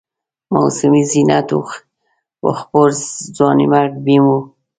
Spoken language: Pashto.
موسمي زینت و خپور، ځوانیمرګ بیم و